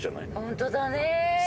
ホントだね。